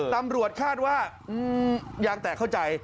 ตำรวจคาดว่ายางแตกเข้าใจ